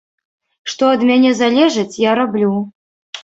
Што ад мяне залежыць, я раблю.